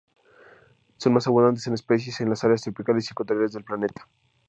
Son más abundantes en especies en las áreas tropicales y ecuatoriales del planeta.